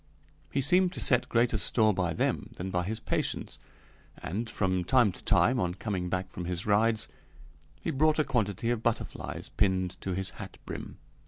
He seemed to set greater store by them than by his patients, and, from time to time, on coming back from his rides, he brought a quantity of butterflies pinned to his hat brim.